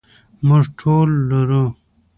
موږ ټول لرو.